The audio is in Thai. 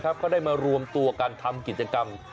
เขาได้มารวมตัวกันทำกิจกรรม